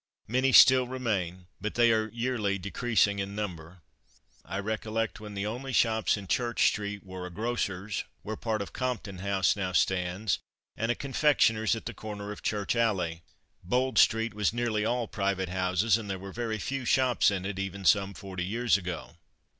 Many still remain but they are yearly decreasing in number. I recollect when the only shops in Church street were a grocer's (where part of Compton House now stands) and a confectioner's at the corner of Church alley. Bold street was nearly all private houses, and there were very few shops in it, even some forty years ago.